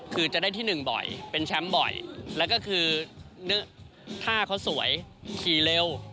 คือจะได้ที่๑บ่อยเป็นแชมป์บ่อยแล้วก็คือถ้าเขาสวยขี่เร็ว